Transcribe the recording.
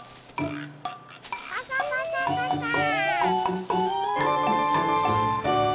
パサパサパサー。